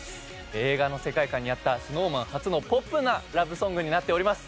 映画の世界観に合ったＳｎｏｗＭａｎ初のポップなラブソングになっております。